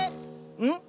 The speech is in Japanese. うん？